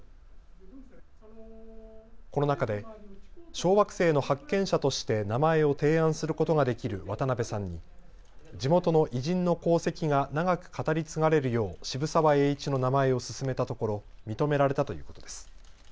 この中で小惑星の発見者として名前を提案することができる渡辺さんに地元の偉人の功績が長く語り継がれるよう渋沢栄一の名前を薦めたところ認められたということです。